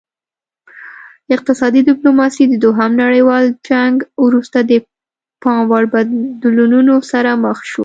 اقتصادي ډیپلوماسي د دوهم نړیوال جنګ وروسته د پام وړ بدلونونو سره مخ شوه